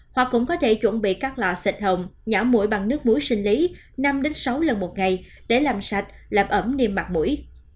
hoa cũng có thể chuẩn bị các loại xịt hồng nhỏ mũi bằng nước muối sinh lý năm sáu lần một ngày để làm sạch làm ẩm niệm mặt mũi